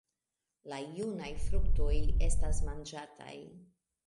La junaj fruktoj estas manĝataj.